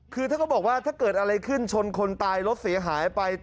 คือถ้าเขาบอกว่าถ้าเกิดอะไรขึ้นชนคนตายรถเสียหายไป